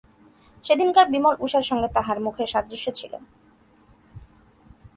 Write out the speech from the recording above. সেদিনকার বিমল উষার সঙ্গে তাহার মুখের সাদৃশ্য ছিল।